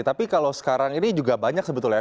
tapi kalau sekarang ini juga banyak sebetulnya